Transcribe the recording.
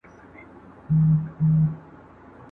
د ابن خلدون اثر د تحلیلي څېړنو لپاره مرسته کوي.